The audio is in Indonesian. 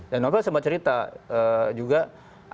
dan novel sempat cerita juga ada dia sebagai ketua wadah pegawai